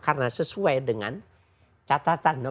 karena sesuai dengan catatan